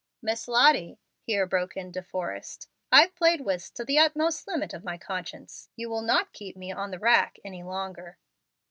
"Miss Lottie," here broke in De Forrest, "I've played whist to the utmost limit of my conscience. You will not keep me on the rack any longer."